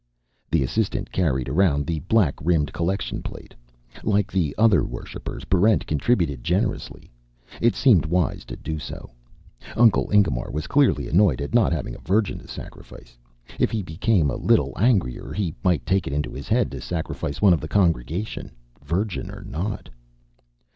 The assistant carried around the black rimmed collection plate. Like the other worshipers, Barrent contributed generously. It seemed wise to do so. Uncle Ingemar was clearly annoyed at not having a virgin to sacrifice. If he became a little angrier, he might take it into his head to sacrifice one of the congregation, virgin or not.